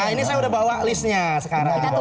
ini saya sudah bawa listnya sekarang